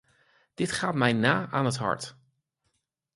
Dit gaat mij na aan het hart.